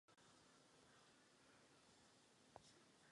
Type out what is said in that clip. Tyto práce mu zajistily vědeckou proslulost.